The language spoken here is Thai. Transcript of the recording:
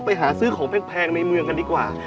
ไปหาซื้อของแพงในเมืองกันดีกว่า